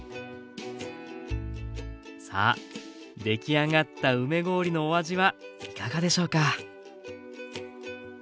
さあできあがった梅氷のお味はいかがでしょうか？